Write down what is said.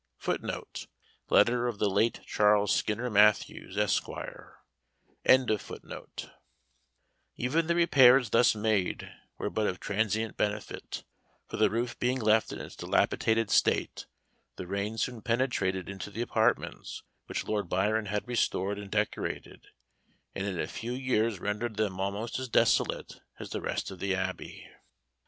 [Footnote: Letter of the late Charles Skinner Mathews, Esq.] Even the repairs thus made were but of transient benefit, for the roof being left in its dilapidated state, the rain soon penetrated into the apartments which Lord Byron had restored and decorated, and in a few years rendered them almost as desolate as the rest of the Abbey.